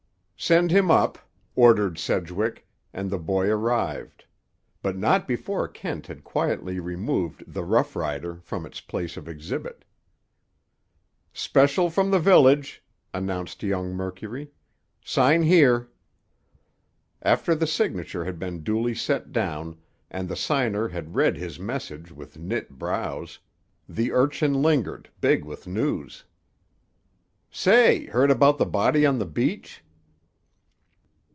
"Send him up," ordered Sedgwick, and the boy arrived; but not before Kent had quietly removed The Rough Rider from its place of exhibit. "Special from the village," announced young Mercury. "Sign here." After the signature had been duly set down, and the signer had read his message with knit brows, the urchin lingered, big with news. "Say, heard about the body on the beach?"